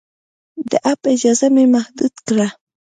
د اپ اجازه مې محدود کړه.